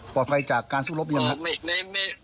ปลอดภัยจากการสู้รบหรือยังครับ